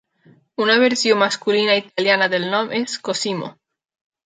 Una versió masculina italiana del nom és "Cosimo".